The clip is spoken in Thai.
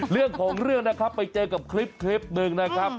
เรื่องของเรื่องนะครับไปเจอกับคลิปหนึ่งนะครับ